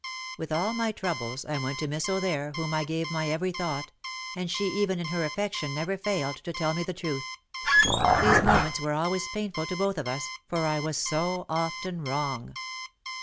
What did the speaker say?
With all my troubles I went to Miss OThere whom I gave my every thought, and she even in her affection never failed to tell me the truth. These moments were always painful to both of us, for I was so often wrong.